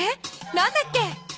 何だっけ？